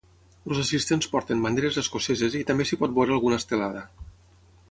Els assistents porten banderes escoceses i també s’hi pot veure alguna estelada.